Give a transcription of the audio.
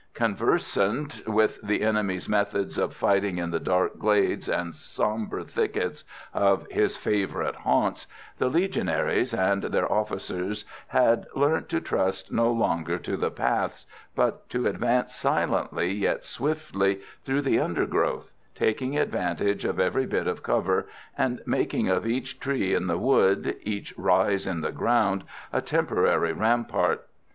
Conversant with the enemy's methods of fighting in the dark glades and sombre thickets of his favourite haunts, the Legionaries and their officers had learnt to trust no longer to the paths, but to advance silently yet swiftly through the undergrowth, taking advantage of every bit of cover, and making of each tree in the wood, each rise in the ground, a temporary rampart.